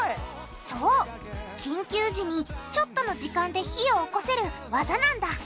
そう緊急時にちょっとの時間で火をおこせるワザなんだ